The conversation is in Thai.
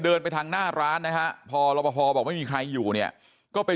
เดินไปทางหน้าร้านนะฮะพอรับประพอบอกไม่มีใครอยู่เนี่ยก็ไป